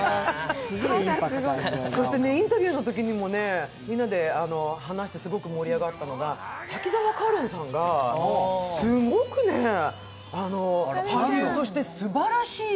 そしてインタビューのときにもみんなで話してすごく盛り上がったのが滝沢カレンさんがすごくね、俳優としてすばらしい。